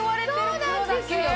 そうなんですよ！